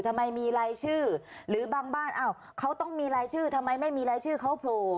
ทำไมมีรายชื่อหรือบางบ้านอ้าวเขาต้องมีรายชื่อทำไมไม่มีรายชื่อเขาโผล่